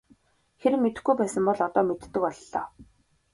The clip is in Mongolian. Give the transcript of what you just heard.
Хэрэв мэдэхгүй байсан бол одоо мэддэг боллоо.